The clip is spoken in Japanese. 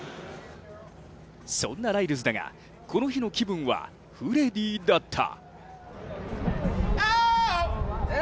そんなライルズだがこの日の気分はフレディだった。